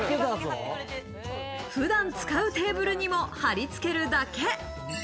普段、使うテーブルにも貼り付けるだけ。